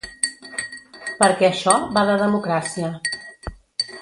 Perquè això va de democràcia.